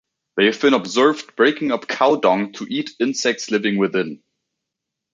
They have been observed breaking up cow dung to eat insects living within.